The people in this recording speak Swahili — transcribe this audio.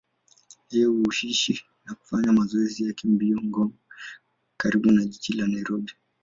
Yeye huishi na hufanya mazoezi yake ya mbio Ngong, karibu na jiji la Nairobi.